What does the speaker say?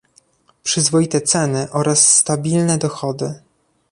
przyzwoite ceny oraz stabilne dochody